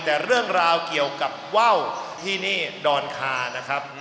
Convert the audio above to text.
แต่เรื่องราวเกี่ยวกับว่าวที่นี่ดอนคานะครับ